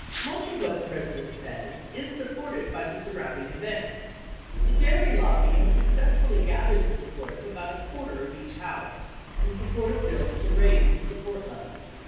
Much of what the President says is supported by the surrounding events. The dairy lobbly had successfully gathered the support of about a quarter of each House in support of bills to raise the support level.